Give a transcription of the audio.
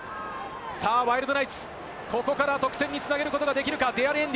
ワイルドナイツ、ここから得点に繋げることができるか。